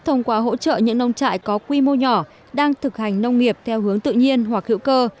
thông qua hỗ trợ những nông trại có quy mô nhỏ đang thực hành nông nghiệp theo hướng tự nhiên hoặc hữu cơ